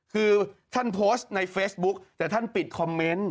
คือท่านโพสต์ในเฟซบุ๊กแต่ท่านปิดคอมเมนต์